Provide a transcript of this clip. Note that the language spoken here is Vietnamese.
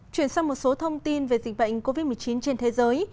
chuyển sang một số thông tin về dịch bệnh covid một mươi chín trên thế giới